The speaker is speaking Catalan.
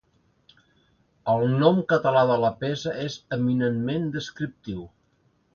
El nom català de la peça és eminentment descriptiu.